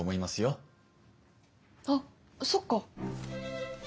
あっそっか。